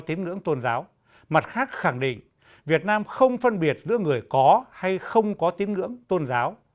tiếng ngưỡng tôn giáo mặt khác khẳng định việt nam không phân biệt giữa người có hay không có tiếng ngưỡng tôn giáo